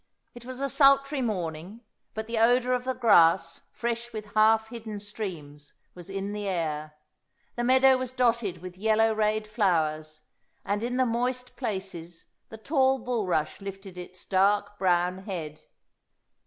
It was a sultry morning; but the odour of the grass, fresh with half hidden streams, was in the air. The meadow was dotted with yellow rayed flowers, and in the moist places the tall bulrush lifted its dark brown head.